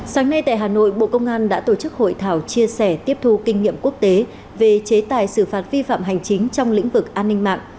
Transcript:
sáng nay tại hà nội bộ công an đã tổ chức hội thảo chia sẻ tiếp thu kinh nghiệm quốc tế về chế tài xử phạt vi phạm hành chính trong lĩnh vực an ninh mạng